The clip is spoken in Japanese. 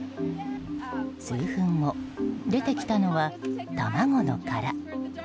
数分後、出てきたのは卵の殻。